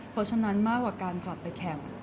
เพราะฉะนั้นมากกว่าการกลับไปแข่ง